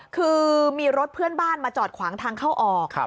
คือมีรถเพื่อนบ้านมาจอดขวางทางเข้าออก